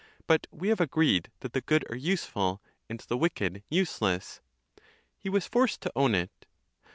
But we have agreed that the good are useful, and the wicked useless.—He was forced to own it.